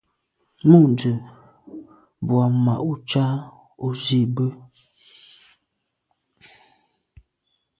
Mû’ndə̀ bù à’ mà’ ú cá ú zî bə́.